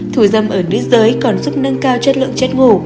thủ dâm ở nước giới còn giúp nâng cao chất lượng chất ngủ